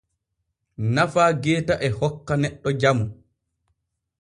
Nafa geeta e hokka neɗɗo jamu.